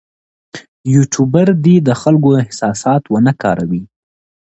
یوټوبر دې د خلکو احساسات ونه کاروي.